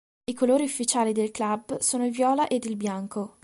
I colori ufficiali del club sono il viola ed il bianco.